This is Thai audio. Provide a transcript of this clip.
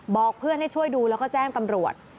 บอกเพื่อนให้ช่วยดูแล้วก็แจ้งตำรวจ